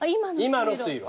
今の水路。